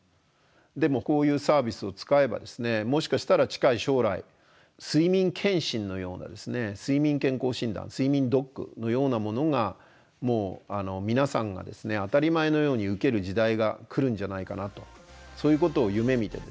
でもこういうサービスを使えばですねもしかしたら近い将来睡眠健診のようなですね睡眠健康診断睡眠ドックのようなものがもう皆さんがですね当たり前のように受ける時代が来るんじゃないかなとそういうことを夢みてですね